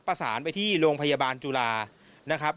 ประสานไปที่โรงพยาบาลจุฬานะครับ